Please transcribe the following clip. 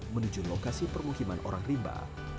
menuju lokasi permukiman orang rimba